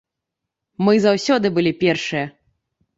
Мы заўсёды былі першыя.